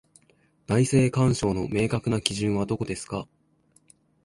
内政干渉の明確な基準はどこですか？